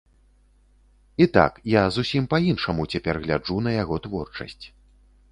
І так, я зусім па-іншаму цяпер гляджу на яго творчасць.